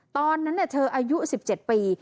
ตอนนั้นเธออายุ๑๗ปี